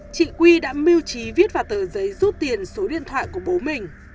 chị quy đã mưu trí viết vào tờ giấy rút tiền số điện thoại của bố mình